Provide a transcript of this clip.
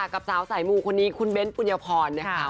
กับสาวสายมูคนนี้คุณเบ้นปุญญพรนะคะ